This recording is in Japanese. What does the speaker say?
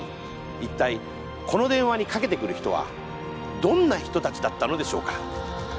一体この電話にかけてくる人はどんな人たちだったのでしょうか？